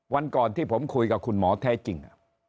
วันก่อนที่ผมคุยกับคุณหมอแท้จริง